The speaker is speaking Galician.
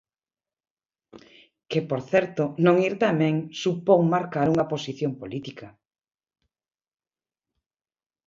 Que, por certo, non ir tamén supón marcar unha posición política.